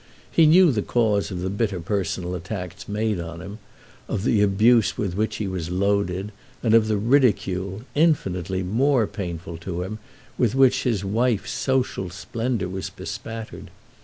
He knew the cause of the bitter personal attacks made on him, of the abuse with which he was loaded, and of the ridicule, infinitely more painful to him, with which his wife's social splendour was bespattered.